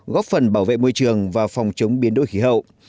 góp phần bảo vệ môi trường và phòng chống biến đổi khí hậu